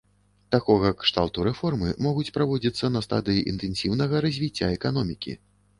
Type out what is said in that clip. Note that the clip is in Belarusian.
Такога кшталту рэформы могуць праводзіцца на стадыі інтэнсіўнага развіцця эканомікі.